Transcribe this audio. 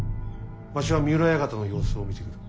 わしは三浦館の様子を見てくる。